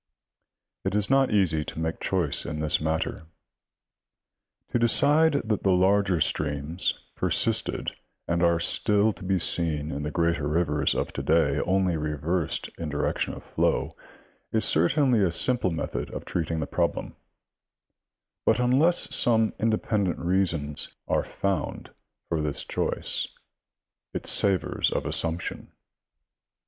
It is not easy to make choice in this matter. To de cide that the larger streams persisted and are still to be seen in the greater rivers of to day, only reversed in direction of flow, is certainly a simple method of treating the problem, but unless some independent reasons are found for this choice, it savors of assumption.